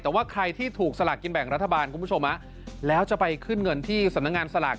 แต่ว่าใครที่ถูกสลากกินแบ่งรัฐบาลคุณผู้ชมแล้วจะไปขึ้นเงินที่สำนักงานสลาก